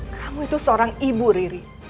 kamu itu seorang ibu riri